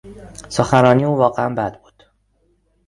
سخنرانی او واقعا بد بود.